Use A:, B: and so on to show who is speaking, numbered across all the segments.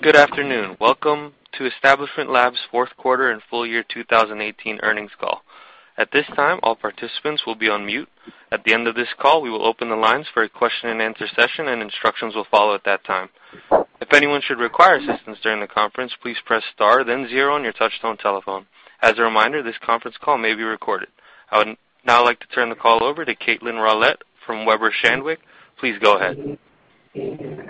A: Good afternoon. Welcome to Establishment Labs' fourth quarter and full year 2018 earnings call. At this time, all participants will be on mute. At the end of this call, we will open the lines for a question and answer session, and instructions will follow at that time. If anyone should require assistance during the conference, please press star then zero on your touchtone telephone. As a reminder, this conference call may be recorded. I would now like to turn the call over to Caitlin Rowlett from Weber Shandwick. Please go ahead.
B: Thank you,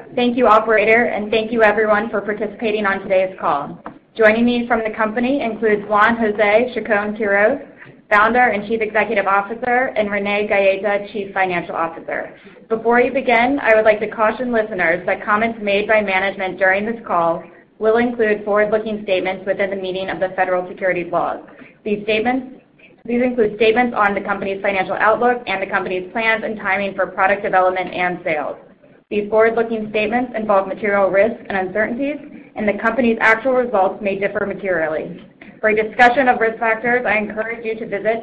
B: operator, and thank you everyone for participating on today's call. Joining me from the company includes Juan José Chacón-Quirós, Founder and Chief Executive Officer, and Renee Gaeta, Chief Financial Officer. Before we begin, I would like to caution listeners that comments made by management during this call will include forward-looking statements within the meaning of the federal securities laws. These include statements on the company's financial outlook and the company's plans and timing for product development and sales. These forward-looking statements involve material risks and uncertainties, and the company's actual results may differ materially. For a discussion of risk factors, I encourage you to visit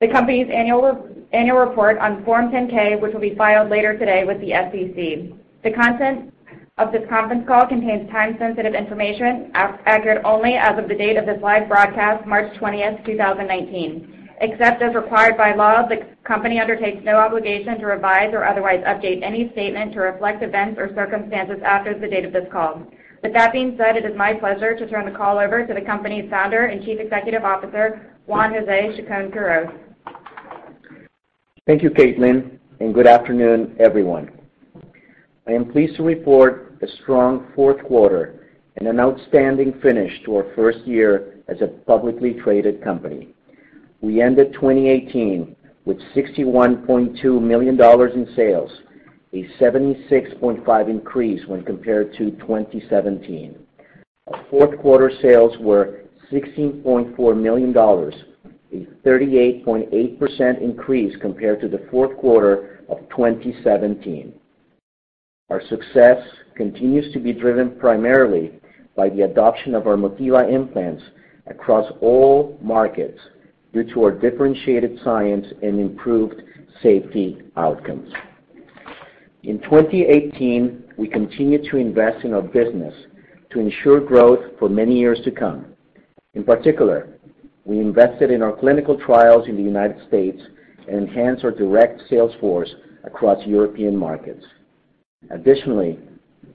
B: the company's annual report on Form 10-K, which will be filed later today with the SEC. The content of this conference call contains time-sensitive information accurate only as of the date of this live broadcast, March 20th, 2019. Except as required by law, the company undertakes no obligation to revise or otherwise update any statement to reflect events or circumstances after the date of this call. With that being said, it is my pleasure to turn the call over to the company's Founder and Chief Executive Officer, Juan José Chacón-Quirós.
C: Thank you, Caitlin, and good afternoon, everyone. I am pleased to report a strong fourth quarter and an outstanding finish to our first year as a publicly traded company. We ended 2018 with $61.2 million in sales, a 76.5% increase when compared to 2017. Our fourth quarter sales were $16.4 million, a 38.8% increase compared to the fourth quarter of 2017. Our success continues to be driven primarily by the adoption of our Motiva Implants across all markets due to our differentiated science and improved safety outcomes. In 2018, we continued to invest in our business to ensure growth for many years to come. In particular, we invested in our clinical trials in the United States and enhanced our direct sales force across European markets. Additionally,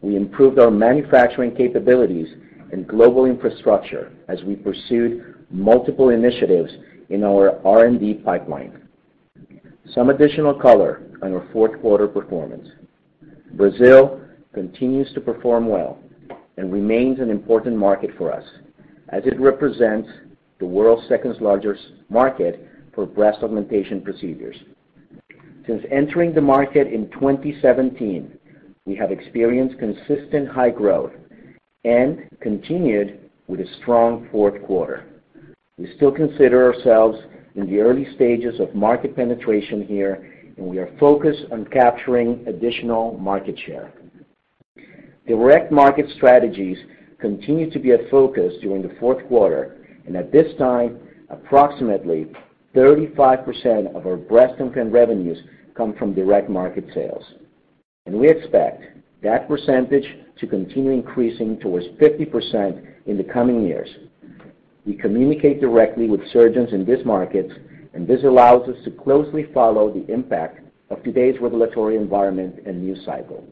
C: we improved our manufacturing capabilities and global infrastructure as we pursued multiple initiatives in our R&D pipeline. Some additional color on our fourth quarter performance. Brazil continues to perform well and remains an important market for us, as it represents the world's second largest market for breast augmentation procedures. Since entering the market in 2017, we have experienced consistent high growth and continued with a strong fourth quarter. We still consider ourselves in the early stages of market penetration here, and we are focused on capturing additional market share. Direct market strategies continued to be a focus during the fourth quarter. At this time, approximately 35% of our breast implant revenues come from direct market sales. We expect that percentage to continue increasing towards 50% in the coming years. We communicate directly with surgeons in these markets, and this allows us to closely follow the impact of today's regulatory environment and news cycle.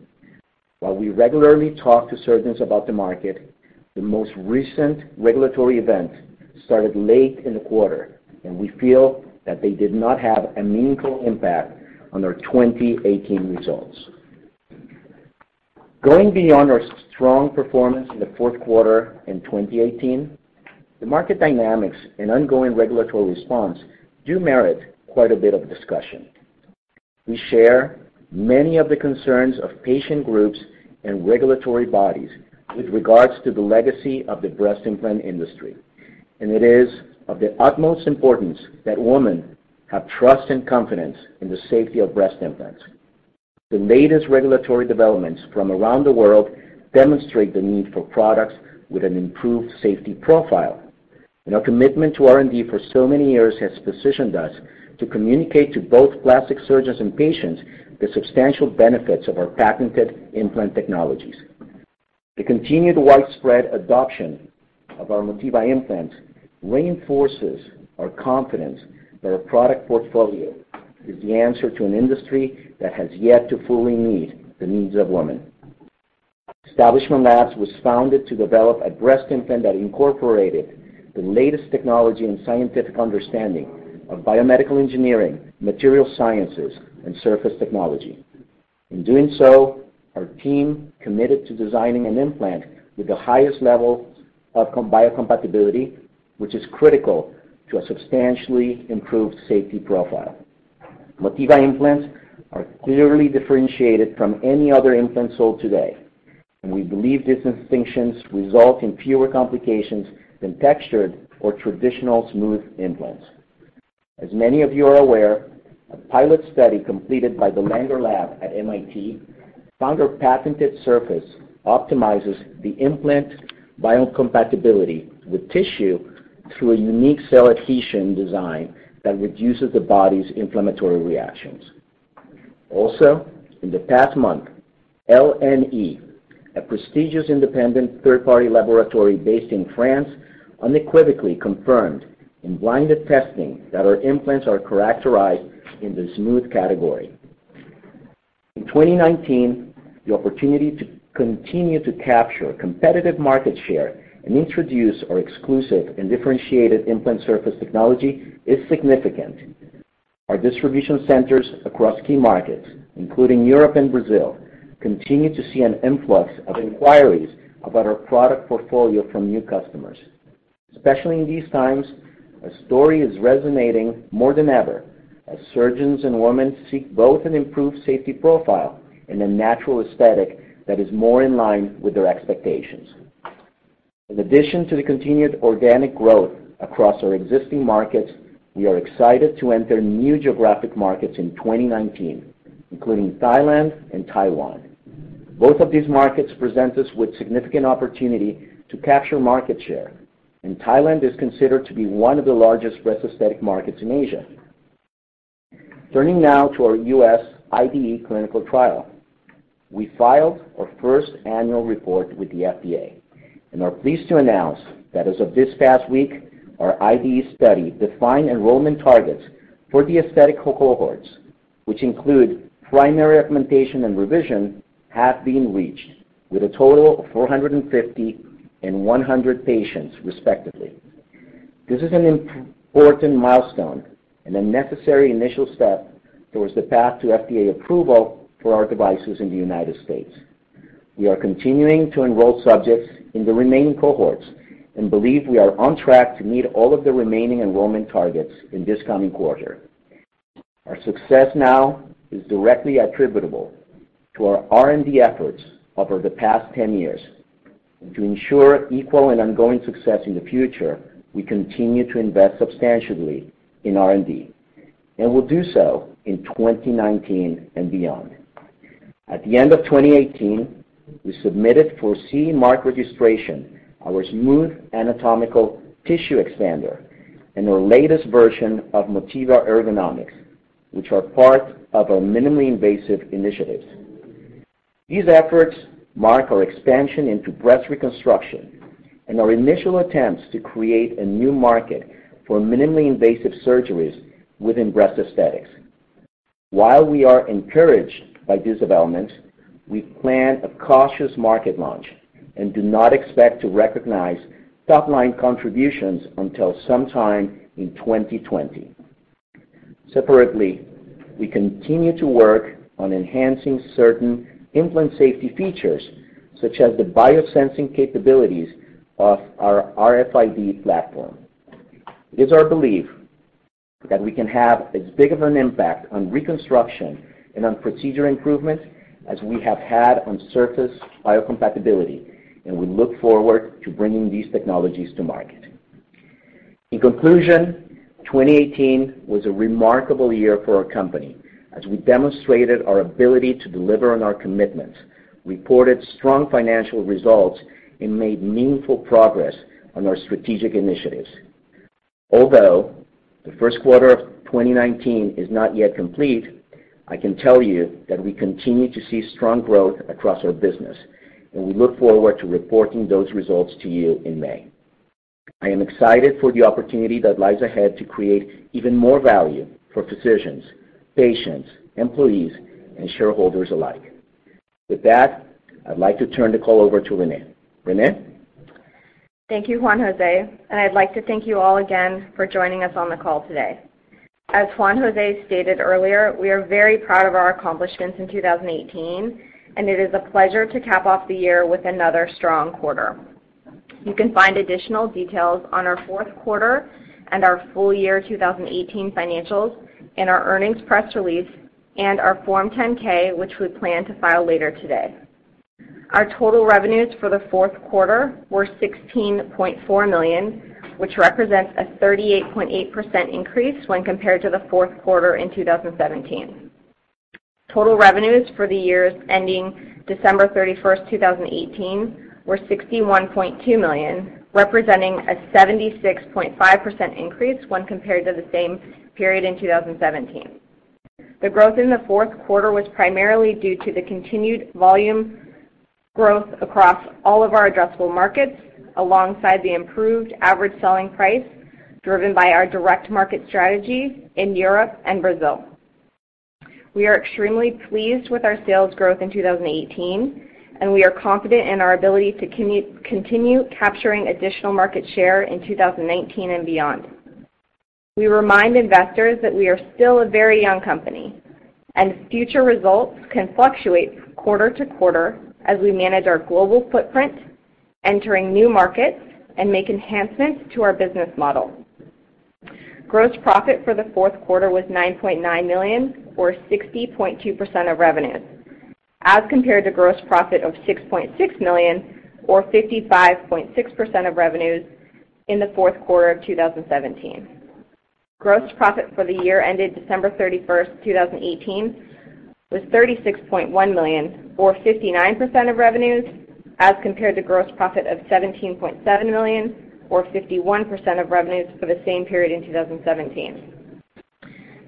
C: While we regularly talk to surgeons about the market, the most recent regulatory event started late in the quarter, and we feel that they did not have a meaningful impact on our 2018 results. Going beyond our strong performance in the fourth quarter in 2018, the market dynamics and ongoing regulatory response do merit quite a bit of discussion. We share many of the concerns of patient groups and regulatory bodies with regards to the legacy of the breast implant industry, and it is of the utmost importance that women have trust and confidence in the safety of breast implants. The latest regulatory developments from around the world demonstrate the need for products with an improved safety profile. Our commitment to R&D for so many years has positioned us to communicate to both plastic surgeons and patients the substantial benefits of our patented implant technologies. The continued widespread adoption of our Motiva Implants reinforces our confidence that our product portfolio is the answer to an industry that has yet to fully meet the needs of women. Establishment Labs was founded to develop a breast implant that incorporated the latest technology and scientific understanding of biomedical engineering, material sciences, and surface technology. In doing so, our team committed to designing an implant with the highest level of biocompatibility, which is critical to a substantially improved safety profile. Motiva Implants are clearly differentiated from any other implant sold today, and we believe these distinctions result in fewer complications than textured or traditional smooth implants. As many of you are aware, a pilot study completed by the Langer Lab at MIT found our patented surface optimizes the implant biocompatibility with tissue through a unique cell adhesion design that reduces the body's inflammatory reactions. Also, in the past month, LNE, a prestigious independent third-party laboratory based in France, unequivocally confirmed in blinded testing that our implants are characterized in the smooth category. In 2019, the opportunity to continue to capture competitive market share and introduce our exclusive and differentiated implant surface technology is significant. Our distribution centers across key markets, including Europe and Brazil, continue to see an influx of inquiries about our product portfolio from new customers. Especially in these times, our story is resonating more than ever as surgeons and women seek both an improved safety profile and a natural aesthetic that is more in line with their expectations. In addition to the continued organic growth across our existing markets, we are excited to enter new geographic markets in 2019, including Thailand and Taiwan. Both of these markets present us with significant opportunity to capture market share, and Thailand is considered to be one of the largest breast aesthetic markets in Asia. Turning now to our U.S. IDE clinical trial. We filed our first annual report with the FDA and are pleased to announce that as of this past week, our IDE study defined enrollment targets for the aesthetic cohorts, which include primary augmentation and revision, have been reached with a total of 450 and 100 patients respectively. This is an important milestone and a necessary initial step towards the path to FDA approval for our devices in the United States. We are continuing to enroll subjects in the remaining cohorts and believe we are on track to meet all of the remaining enrollment targets in this coming quarter. Our success now is directly attributable to our R&D efforts over the past 10 years. To ensure equal and ongoing success in the future, we continue to invest substantially in R&D, and will do so in 2019 and beyond. At the end of 2018, we submitted for CE Mark registration our smooth anatomical tissue expander and our latest version of Motiva Ergonomix, which are part of our minimally invasive initiatives. These efforts mark our expansion into breast reconstruction and our initial attempts to create a new market for minimally invasive surgeries within breast aesthetics. While we are encouraged by this development, we plan a cautious market launch and do not expect to recognize top-line contributions until sometime in 2020. Separately, we continue to work on enhancing certain implant safety features, such as the biosensing capabilities of our RFID platform. It is our belief that we can have as big of an impact on reconstruction and on procedure improvement as we have had on surface biocompatibility, and we look forward to bringing these technologies to market. In conclusion, 2018 was a remarkable year for our company as we demonstrated our ability to deliver on our commitments, reported strong financial results, and made meaningful progress on our strategic initiatives. Although the first quarter of 2019 is not yet complete, I can tell you that we continue to see strong growth across our business, and we look forward to reporting those results to you in May. I am excited for the opportunity that lies ahead to create even more value for physicians, patients, employees, and shareholders alike. With that, I'd like to turn the call over to Renee. Renee?
D: Thank you, Juan José, and I'd like to thank you all again for joining us on the call today. As Juan José stated earlier, we are very proud of our accomplishments in 2018, and it is a pleasure to cap off the year with another strong quarter. You can find additional details on our fourth quarter and our full year 2018 financials in our earnings press release and our Form 10-K, which we plan to file later today. Our total revenues for the fourth quarter were $16.4 million, which represents a 38.8% increase when compared to the fourth quarter in 2017. Total revenues for the years ending December 31st, 2018, were $61.2 million, representing a 76.5% increase when compared to the same period in 2017. The growth in the fourth quarter was primarily due to the continued volume growth across all of our addressable markets, alongside the improved average selling price, driven by our direct market strategies in Europe and Brazil. We are extremely pleased with our sales growth in 2018, and we are confident in our ability to continue capturing additional market share in 2019 and beyond. We remind investors that we are still a very young company, and future results can fluctuate quarter to quarter as we manage our global footprint, entering new markets, and make enhancements to our business model. Gross profit for the fourth quarter was $9.9 million, or 60.2% of revenues, as compared to gross profit of $6.6 million or 55.6% of revenues in the fourth quarter of 2017. Gross profit for the year ended December 31st, 2018, was $36.1 million, or 59% of revenues. As compared to gross profit of $17.7 million, or 51% of revenues for the same period in 2017.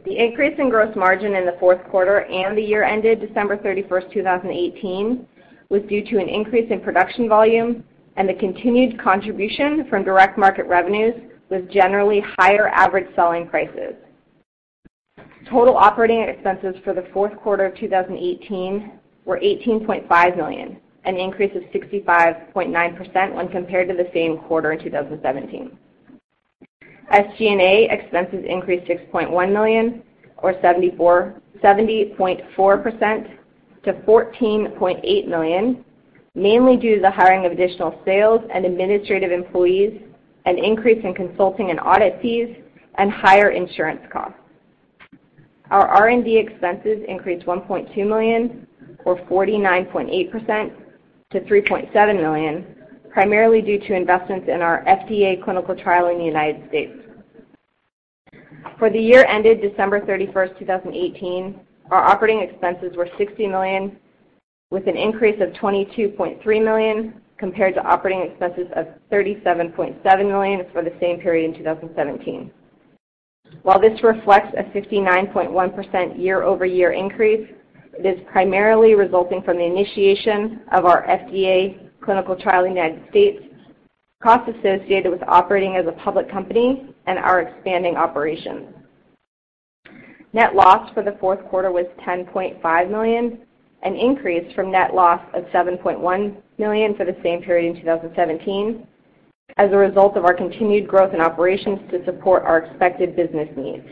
D: The increase in gross margin in the fourth quarter and the year ended December 31st, 2018, was due to an increase in production volume and the continued contribution from direct market revenues, with generally higher average selling prices. Total operating expenses for the fourth quarter of 2018 were $18.5 million, an increase of 65.9% when compared to the same quarter in 2017. SG&A expenses increased $6.1 million or 70.4%, to $14.8 million, mainly due to the hiring of additional sales and administrative employees, an increase in consulting and audit fees, and higher insurance costs. Our R&D expenses increased $1.2 million, or 49.8%, to $3.7 million, primarily due to investments in our FDA clinical trial in the U.S. For the year ended December 31st, 2018, our operating expenses were $60 million, with an increase of $22.3 million compared to operating expenses of $37.7 million for the same period in 2017. While this reflects a 59.1% year-over-year increase, it is primarily resulting from the initiation of our FDA clinical trial in the U.S., costs associated with operating as a public company, and our expanding operations. Net loss for the fourth quarter was $10.5 million, an increase from net loss of $7.1 million for the same period in 2017, as a result of our continued growth in operations to support our expected business needs.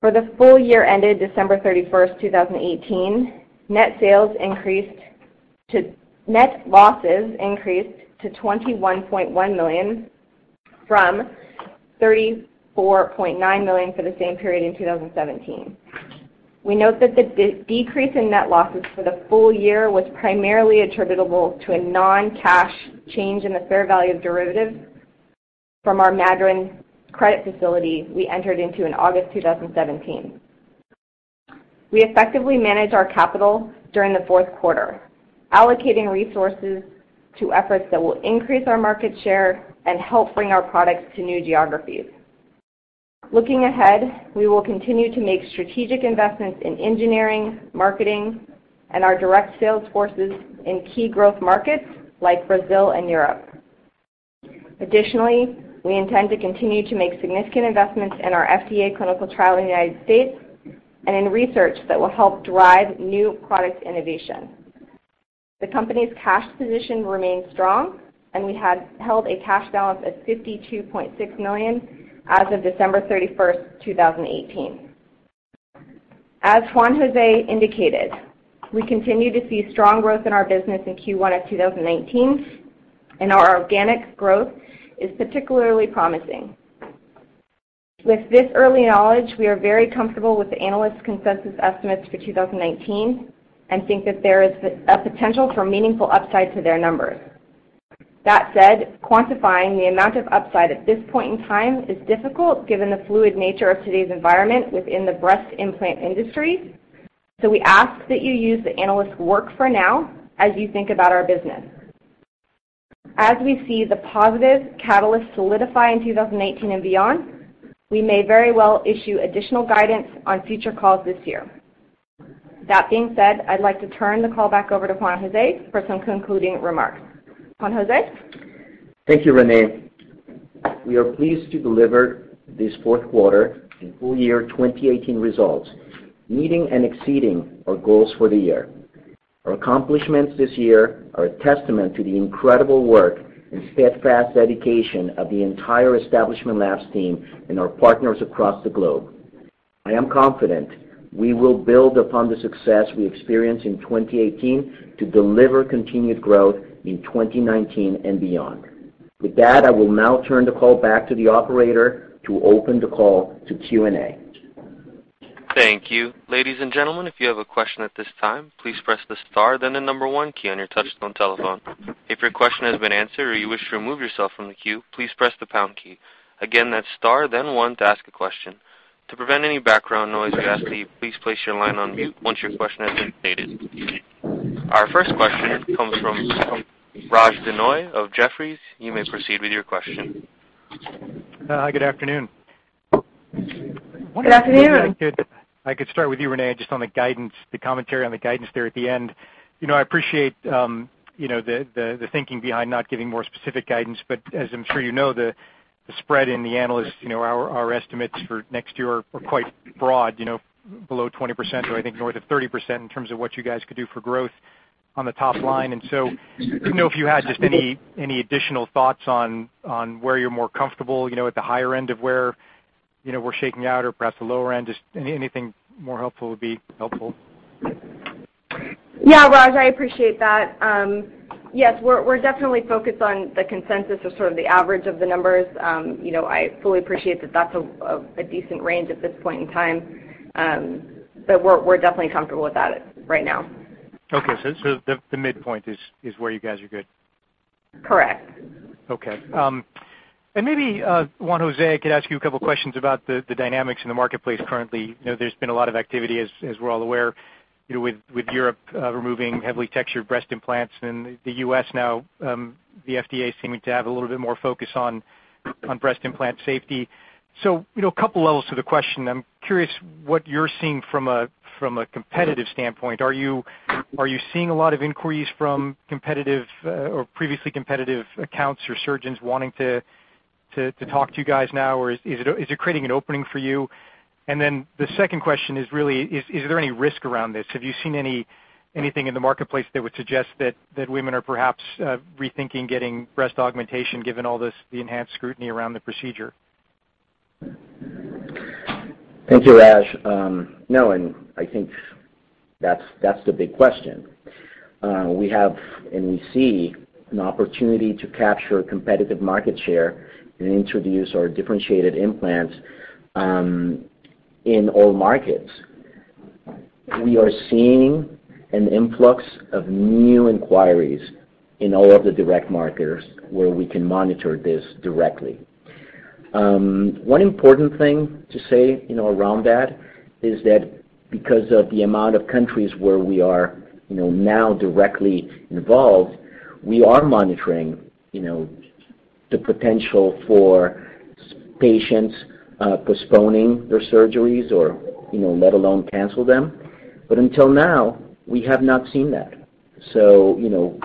D: For the full year ended December 31st, 2018, net losses increased to $21.1 million from $34.9 million for the same period in 2017. We note that the decrease in net losses for the full year was primarily attributable to a non-cash change in the fair value of derivatives from our Madryn credit facility we entered into in August 2017. We effectively managed our capital during the fourth quarter, allocating resources to efforts that will increase our market share and help bring our products to new geographies. Looking ahead, we will continue to make strategic investments in engineering, marketing, and our direct sales forces in key growth markets like Brazil and Europe. Additionally, we intend to continue to make significant investments in our FDA clinical trial in the U.S., and in research that will help drive new product innovation. The company's cash position remains strong, we held a cash balance of $52.6 million as of December 31st, 2018. As Juan José indicated, we continue to see strong growth in our business in Q1 of 2019, our organic growth is particularly promising. With this early knowledge, we are very comfortable with the analyst consensus estimates for 2019 and think that there is a potential for meaningful upside to their numbers. That said, quantifying the amount of upside at this point in time is difficult given the fluid nature of today's environment within the breast implant industry, we ask that you use the analyst work for now as you think about our business. As we see the positive catalyst solidify in 2018 and beyond, we may very well issue additional guidance on future calls this year. That being said, I'd like to turn the call back over to Juan José for some concluding remarks. Juan José?
C: Thank you, Renee. We are pleased to deliver this fourth quarter and full year 2018 results, meeting and exceeding our goals for the year. Our accomplishments this year are a testament to the incredible work and steadfast dedication of the entire Establishment Labs team and our partners across the globe. I am confident we will build upon the success we experienced in 2018 to deliver continued growth in 2019 and beyond. With that, I will now turn the call back to the operator to open the call to Q&A.
A: Thank you. Ladies and gentlemen, if you have a question at this time, please press the star then the number one key on your touchtone telephone. If your question has been answered or you wish to remove yourself from the queue, please press the pound key. Again, that's star then one to ask a question. To prevent any background noise, we ask that you please place your line on mute once your question has been stated. Our first question comes from Raj Denhoy of Jefferies. You may proceed with your question.
E: Hi, good afternoon.
D: Good afternoon.
E: If I could start with you, Renee, just on the commentary on the guidance there at the end. I appreciate the thinking behind not giving more specific guidance, but as I'm sure you know, the spread in the analysts, our estimates for next year are quite broad, below 20% or I think north of 30% in terms of what you guys could do for growth on the top line. Didn't know if you had just any additional thoughts on where you're more comfortable, at the higher end of where we're shaking out or perhaps the lower end. Just anything more helpful would be helpful.
D: Yeah, Raj, I appreciate that. Yes, we're definitely focused on the consensus or sort of the average of the numbers. I fully appreciate that that's a decent range at this point in time, we're definitely comfortable with that right now.
E: Okay, the midpoint is where you guys are good?
D: Correct.
E: Okay. Maybe, Juan José, I could ask you a couple questions about the dynamics in the marketplace currently. There's been a lot of activity, as we're all aware, with Europe removing heavily textured breast implants, the U.S. now, the FDA seeming to have a little bit more focus on breast implant safety. A couple levels to the question. I'm curious what you're seeing from a competitive standpoint. Are you seeing a lot of inquiries from competitive or previously competitive accounts or surgeons wanting to talk to you guys now, or is it creating an opening for you? The second question is really, is there any risk around this? Have you seen anything in the marketplace that would suggest that women are perhaps rethinking getting breast augmentation given all this, the enhanced scrutiny around the procedure?
C: Thank you, Raj. No, I think that's the big question. We have, and we see an opportunity to capture competitive market share and introduce our differentiated implants in all markets. We are seeing an influx of new inquiries in all of the direct markets where we can monitor this directly. One important thing to say around that is that because of the amount of countries where we are now directly involved, we are monitoring the potential for patients postponing their surgeries or let alone cancel them. Until now, we have not seen that. We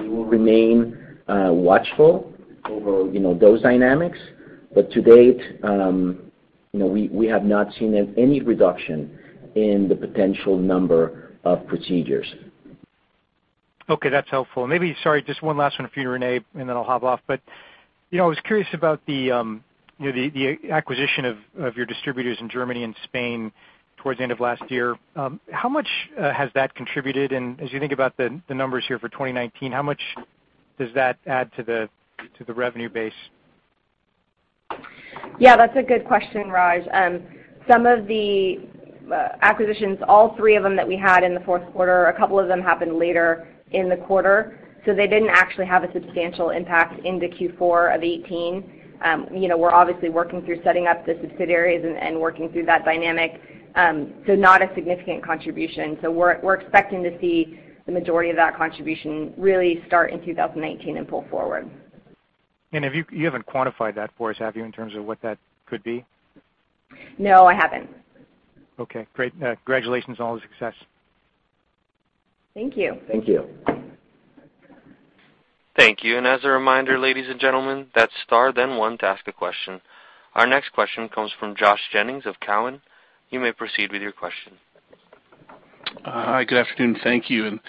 C: will remain watchful over those dynamics. To date, we have not seen any reduction in the potential number of procedures.
E: Okay, that's helpful. Maybe, sorry, just one last one for you, Renee, then I'll hop off. I was curious about the acquisition of your distributors in Germany and Spain towards the end of last year. How much has that contributed in, as you think about the numbers here for 2019, how much does that add to the revenue base?
D: Yeah, that's a good question, Raj. Some of the acquisitions, all three of them that we had in the fourth quarter, a couple of them happened later in the quarter, they didn't actually have a substantial impact into Q4 of 2018. We're obviously working through setting up the subsidiaries and working through that dynamic. Not a significant contribution. We're expecting to see the majority of that contribution really start in 2019 and pull forward.
E: You haven't quantified that for us, have you, in terms of what that could be?
D: No, I haven't.
E: Okay, great. Congratulations on all the success.
D: Thank you.
C: Thank you.
A: Thank you. As a reminder, ladies and gentlemen, that's star then one to ask a question. Our next question comes from Josh Jennings of Cowen. You may proceed with your question.
F: Hi, good afternoon, thank you, and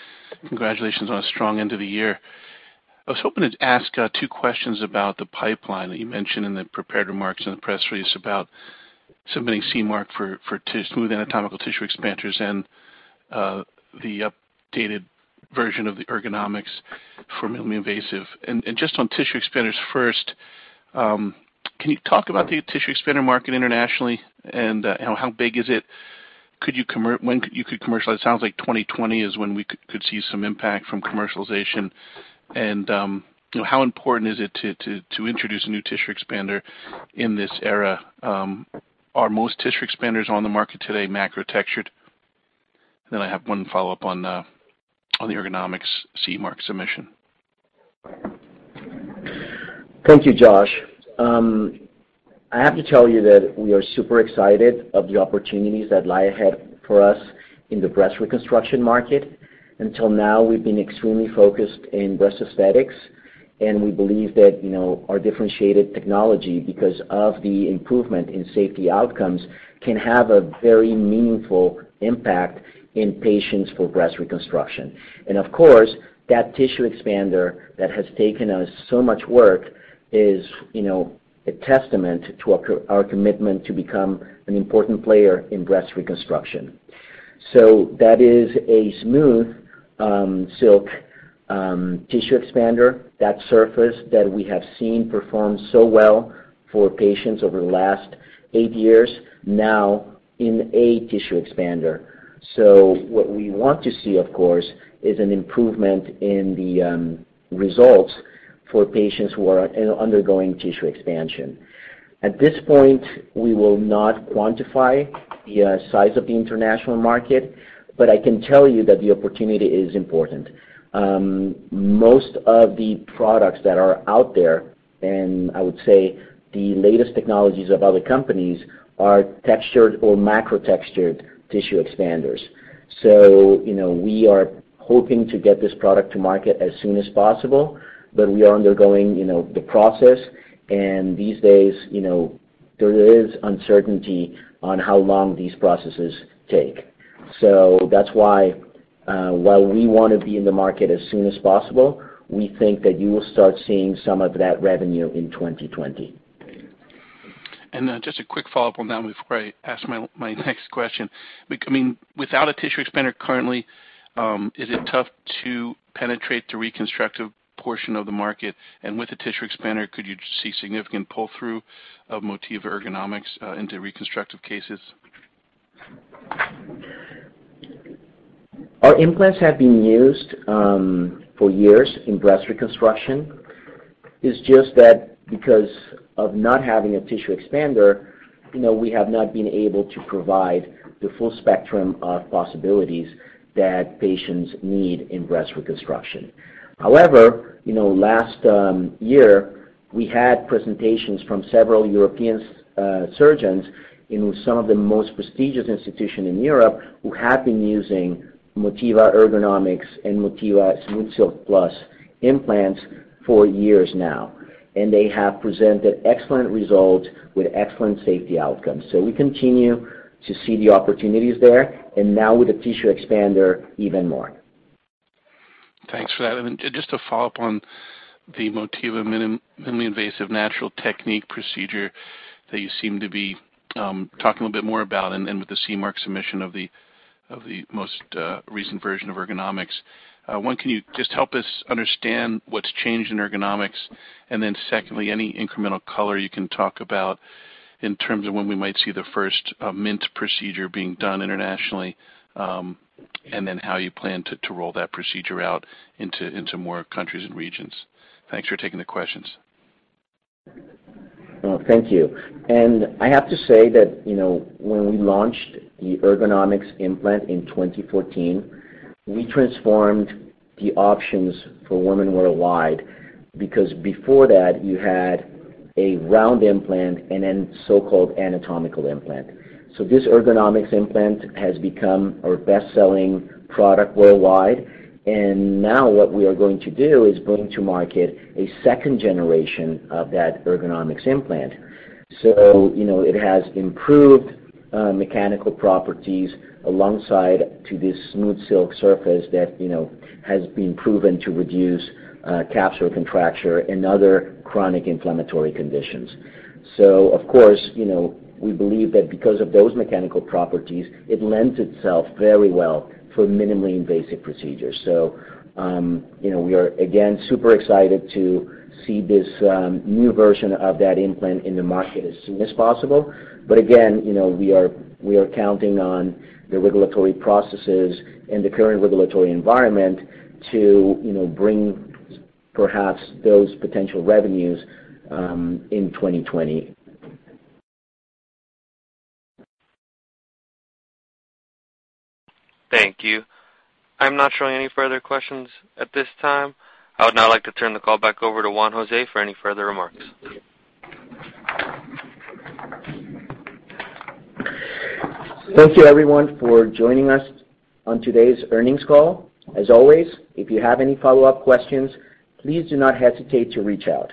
F: congratulations on a strong end of the year. I was hoping to ask two questions about the pipeline that you mentioned in the prepared remarks in the press release about submitting CE Mark for smooth anatomical tissue expanders and the updated version of the Ergonomix for minimally invasive. Just on tissue expanders first, can you talk about the tissue expander market internationally and how big is it? When could you commercialize? It sounds like 2020 is when we could see some impact from commercialization. How important is it to introduce a new tissue expander in this era? Are most tissue expanders on the market today macro-textured? I have one follow-up on the Ergonomix CE Mark submission.
C: Thank you, Josh. I have to tell you that we are super excited of the opportunities that lie ahead for us in the breast reconstruction market. Until now, we've been extremely focused in breast aesthetics, and we believe that our differentiated technology, because of the improvement in safety outcomes, can have a very meaningful impact in patients for breast reconstruction. Of course, that tissue expander that has taken us so much work is a testament to our commitment to become an important player in breast reconstruction. That is a SmoothSilk tissue expander, that surface that we have seen perform so well for patients over the last eight years, now in a tissue expander. What we want to see, of course, is an improvement in the results for patients who are undergoing tissue expansion. At this point, we will not quantify the size of the international market, but I can tell you that the opportunity is important. Most of the products that are out there, and I would say the latest technologies of other companies, are textured or macro-textured tissue expanders. We are hoping to get this product to market as soon as possible, but we are undergoing the process. These days, there is uncertainty on how long these processes take. That's why while we want to be in the market as soon as possible, we think that you will start seeing some of that revenue in 2020.
F: Just a quick follow-up on that before I ask my next question. Without a tissue expander currently, is it tough to penetrate the reconstructive portion of the market? With a tissue expander, could you see significant pull-through of Motiva Ergonomix into reconstructive cases?
C: Our implants have been used for years in breast reconstruction. It's just that because of not having a tissue expander, we have not been able to provide the full spectrum of possibilities that patients need in breast reconstruction. However, last year, we had presentations from several European surgeons in some of the most prestigious institutions in Europe who have been using Motiva Ergonomix and Motiva SilkSurface Plus implants for years now, and they have presented excellent results with excellent safety outcomes. We continue to see the opportunities there, and now with the tissue expander, even more.
F: Thanks for that. Just to follow up on the Motiva Minimally Invasive Natural Technique procedure that you seem to be talking a bit more about and with the CE Mark submission of the most recent version of Ergonomix. One, can you just help us understand what's changed in Ergonomix? Secondly, any incremental color you can talk about in terms of when we might see the first MINT procedure being done internationally, and then how you plan to roll that procedure out into more countries and regions. Thanks for taking the questions.
C: Thank you. I have to say that when we launched the Ergonomix implant in 2014, we transformed the options for women worldwide because before that, you had a round implant and then so-called anatomical implant. This Ergonomix implant has become our best-selling product worldwide. Now what we are going to do is going to market a second generation of that Ergonomix implant. It has improved mechanical properties alongside to this SmoothSilk surface that has been proven to reduce capsular contracture and other chronic inflammatory conditions. Of course, we believe that because of those mechanical properties, it lends itself very well for minimally invasive procedures. We are again, super excited to see this new version of that implant in the market as soon as possible. Again, we are counting on the regulatory processes and the current regulatory environment to bring perhaps those potential revenues in 2020.
A: Thank you. I'm not showing any further questions at this time. I would now like to turn the call back over to Juan José for any further remarks.
C: Thank you, everyone, for joining us on today's earnings call. As always, if you have any follow-up questions, please do not hesitate to reach out.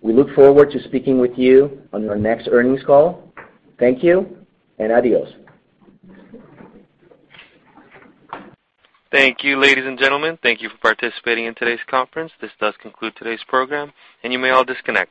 C: We look forward to speaking with you on our next earnings call. Thank you, and adios.
A: Thank you, ladies and gentlemen. Thank you for participating in today's conference. This does conclude today's program, and you may all disconnect.